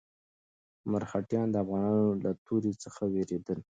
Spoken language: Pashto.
مرهټیان د افغانانو له تورې څخه وېرېدل.